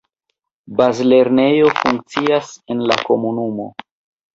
Bazlernejo funkcias en la komunumo.